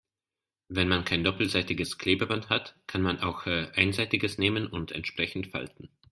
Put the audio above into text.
Wenn man kein doppelseitiges Klebeband hat, kann man auch einseitiges nehmen und entsprechend falten.